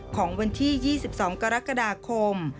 ของวันที่๒๒กรกฎาคม